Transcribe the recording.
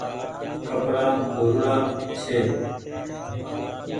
ڪپڙآ ڌوڙاڙا ڇي